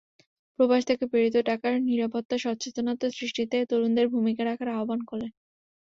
প্রবাস থেকে প্রেরিত টাকার নিরাপত্তা সচেতনতা সৃষ্টিতে তরুণদের ভূমিকা রাখার আহ্বান করলেন।